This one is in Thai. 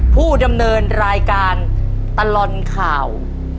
ผู้ดำเนินรายการตลอดข่าว